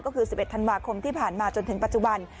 ก็คือ๑๑ธันวาคมที่ผ่านมาจนถึงปัจจุบัน